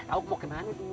tau mau kemana tuh